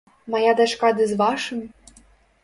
Мая дачка ды з вашым?